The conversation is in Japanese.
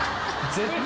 絶対。